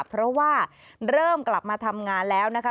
เพราะว่าเริ่มกลับมาทำงานแล้วนะคะ